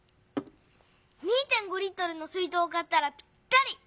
２．５Ｌの水とうを買ったらぴったり。